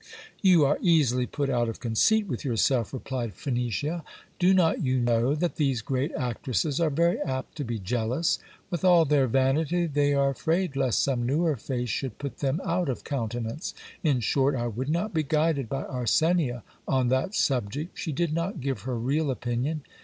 You are easily put out of conceit with yourself, replied Phenicia. Do not you know that these great actresses are very apt to be jealous? With all their vanity, they are afraid lest some newer face should put them out of countenance. In short, I would not be guided by Arsenia on that subject ; she did not give her real opinion.